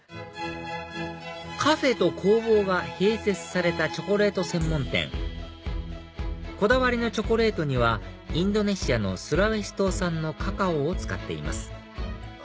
カフェと工房が併設されたチョコレート専門店こだわりのチョコレートにはインドネシアのスラウェシ島産のカカオを使っています